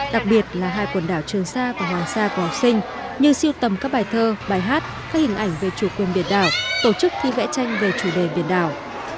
đặc biệt là hai quần đảo trường sa và hoàng sa của học sinh như siêu tầm các bài thơ bài hát các hình ảnh về chủ quyền biển đảo tổ chức thi vẽ tranh về chủ đề biển đảo